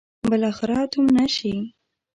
بالاخره تومنه شي.